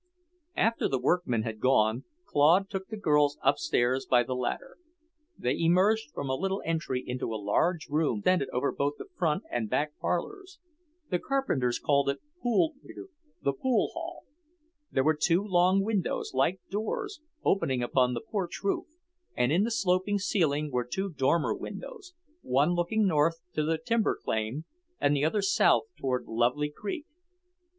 After the workmen had gone, Claude took the girls upstairs by the ladder. They emerged from a little entry into a large room which extended over both the front and back parlours. The carpenters called it "the pool hall". There were two long windows, like doors, opening upon the porch roof, and in the sloping ceiling were two dormer windows, one looking north to the timber claim and the other south toward Lovely Creek.